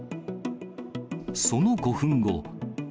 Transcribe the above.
その５分後。